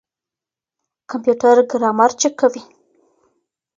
کمپيوټر ګرامر چک کوي.